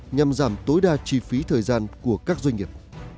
nhằm giảm tối đa chi phí thời gian của các doanh nghiệp